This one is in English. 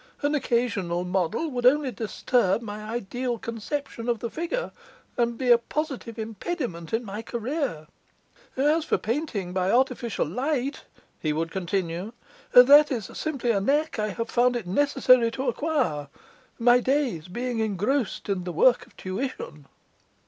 An occasional model would only disturb my ideal conception of the figure, and be a positive impediment in my career. As for painting by an artificial light,' he would continue, 'that is simply a knack I have found it necessary to acquire, my days being engrossed in the work of tuition.